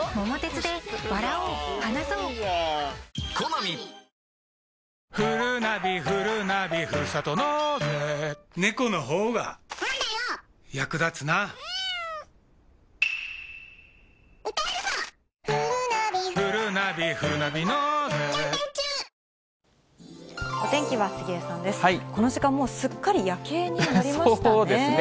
この時間、もうすっかり夜景になりましたね。